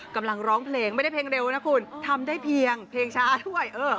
ร้องเพลงไม่ได้เพลงเร็วนะคุณทำได้เพียงเพลงช้าด้วย